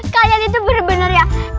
kalian itu bener bener ya